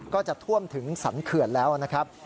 ก็จะท่วมถึงสรรเขื่อนแล้วนะครับ